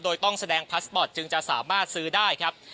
โดยต้องแสดงพาสปอร์ตจึงจะสามารถซื้อได้ครับ